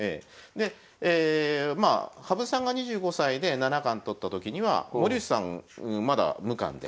でまあ羽生さんが２５歳で７冠取った時には森内さんまだ無冠で。